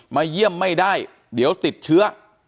เยี่ยมไม่ได้เดี๋ยวติดเชื้อ